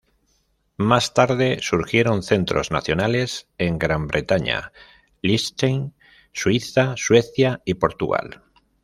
Más tarde surgieron centros nacionales en Gran Bretaña, Liechtenstein, Suiza, Suecia y Portugal.